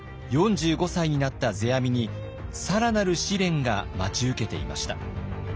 ４５歳になった世阿弥に更なる試練が待ち受けていました。